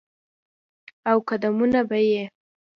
او قدمونه به یې،